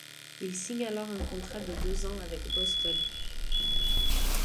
Il signe alors un contrat de deux ans avec Boston.